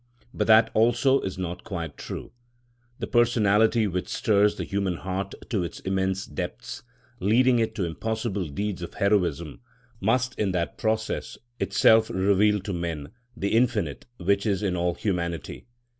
But that also is not quite true. The personality which stirs the human heart to its immense depths, leading it to impossible deeds of heroism, must in that process itself reveal to men the infinite which is in all humanity.